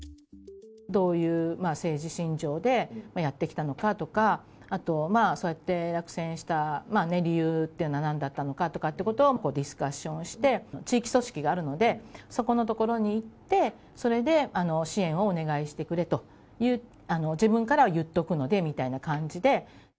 どういう政治信条でやってきたのかとか、あと、そうやって落選した理由っていうのはなんだったのかっていうことをディスカッションをして、地域組織があるので、そこの所に行って、それで支援をお願いしてくれと、自分からは言っとくので見たいな感じで。